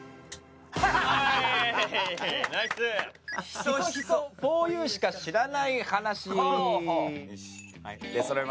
ヒソヒソふぉゆしか知らない話。